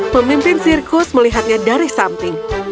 pemimpin sirkus melihatnya dari samping